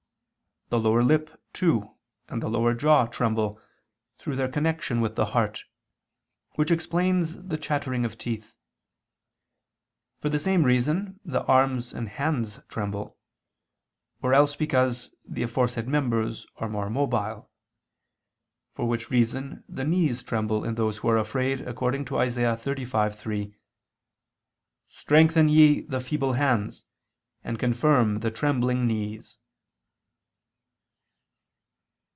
The lower lip, too, and the lower jaw tremble, through their connection with the heart; which explains the chattering of the teeth. For the same reason the arms and hands tremble. Or else because the aforesaid members are more mobile. For which reason the knees tremble in those who are afraid, according to Isa. 35:3: "Strengthen ye the feeble hands, and confirm the trembling [Vulg.: 'weak'] knees."